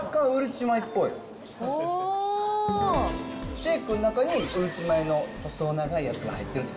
シェイクの中にうるち米の細長いやつが入ってる。